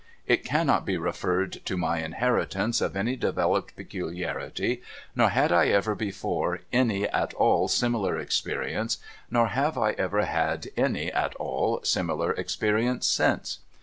It cannot be referred to my inheritance of any developed peculiarity, nor had I ever before any at all similar experience, nor have I ever had any at all similar experience since.